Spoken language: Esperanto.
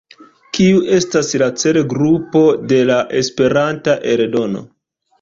Kiu estas la celgrupo de la Esperanta eldono?